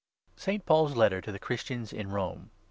ST. PAUL'S LETTER TO THE CHRISTIANS IN ROME.